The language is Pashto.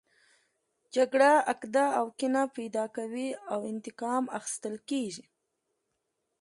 جګړه عقده او کینه پیدا کوي او انتقام اخیستل کیږي